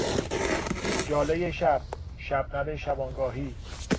ژالهی شب، شبنم شبانگاهی